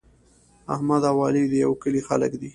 احمد او علي د یوه کلي خلک دي.